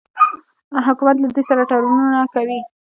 حکومت له دوی سره تړونونه کوي.